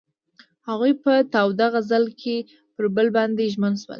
هغوی په تاوده غزل کې پر بل باندې ژمن شول.